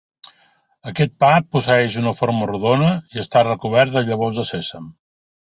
Aquest pa posseeix una forma rodona i està recobert de llavors de sèsam.